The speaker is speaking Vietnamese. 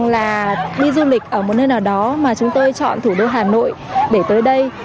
là đi du lịch ở một nơi nào đó mà chúng tôi chọn thủ đô hà nội để tới đây